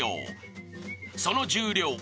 ［その重量